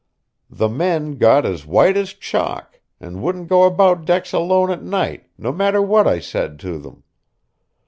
The men got as white as chalk, and wouldn't go about decks alone at night, no matter what I said to them.